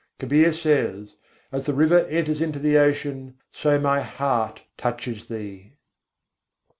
Kabîr says: "As the river enters into the ocean, so my heart touches Thee."